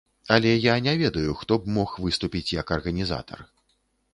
Але я не ведаю, хто б мог выступіць як арганізатар.